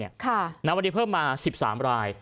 ณวันนี้เพิ่มมา๑๓ราย